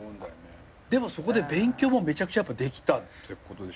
でもそこで勉強もめちゃくちゃできたってことでしょ。